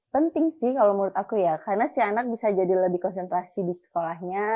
penting sih kalau menurut aku ya karena si anak bisa jadi lebih konsentrasi di sekolahnya